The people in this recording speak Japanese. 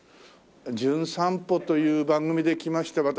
『じゅん散歩』という番組で来ました